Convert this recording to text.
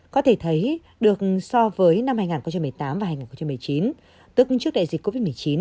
có thể thấy được so với năm hai nghìn một mươi tám và hai nghìn một mươi chín tức trước đại dịch covid một mươi chín